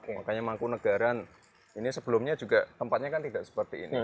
makanya mangkunagaran ini sebelumnya juga tempatnya kan tidak seperti ini